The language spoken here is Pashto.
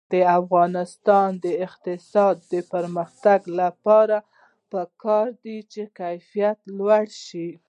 د افغانستان د اقتصادي پرمختګ لپاره پکار ده چې کیفیت لوړ شي.